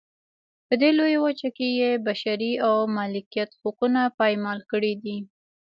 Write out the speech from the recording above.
په دې لویه وچه کې یې بشري او مالکیت حقونه پایمال کړي دي.